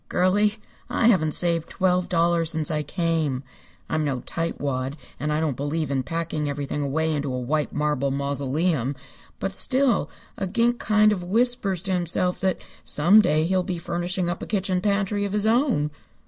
"Girlie, I haven't saved twelve dollars since I came. I'm no tightwad, and I don't believe in packing everything away into a white marble mausoleum, but still a gink kind of whispers to himself that some day he'll be furnishing up a kitchen pantry of his own."